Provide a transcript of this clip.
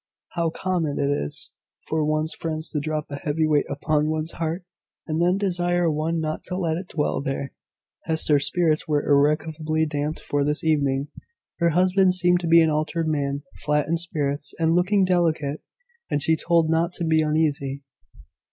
How common it is for one's friends to drop a heavy weight upon one's heart, and then desire one not to let it dwell there! Hester's spirits were irrecoverably damped for this evening. Her husband seemed to be an altered man, flat in spirits, and looking delicate, and she told not to be uneasy!